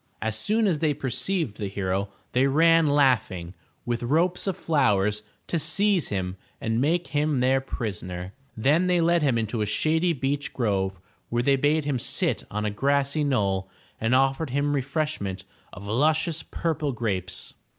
As soon as they perceived the hero, they ran laughing, with ropes of flowers, to seize him and make him their prisoner. Then they led him into a shady beech grove, where they bade him sit on a grassy knoll and offered him refresh ment of luscious purple grapes.